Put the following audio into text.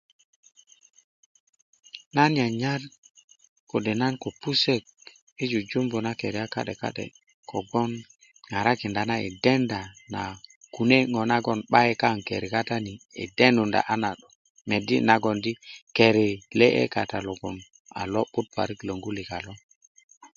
nan nya nyar kode nan ko pusök i jujumbu na keriyat ka'de ka'de kogwon ŋarakinda nan i denda na kune naga 'bayin kaŋ keri katani i denunda a nan medi nagoŋ di keri lele kata logon a lo'but parik lwongu lika lo